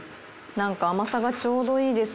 なんか甘さがちょうどいいです。